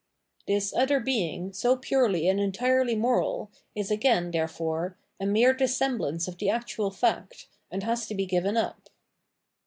This other being, so purely and entirely moral, is again, therefore, a mere dissemblance of the actual fact, and bas to be given up.